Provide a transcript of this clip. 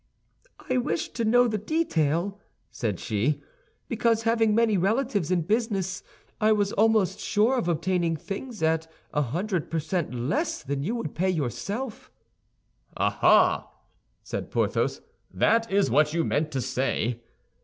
"I wished to know the detail," said she, "because, having many relatives in business, I was almost sure of obtaining things at a hundred per cent less than you would pay yourself." "Ah, ah!" said Porthos, "that is what you meant to say!"